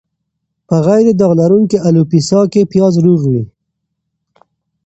په غیر داغ لرونکې الوپیسیا کې پیاز روغ وي.